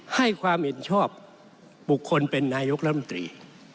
ให้ความเห็นชอบบุคคลเป็นนายกรัฐมนตรี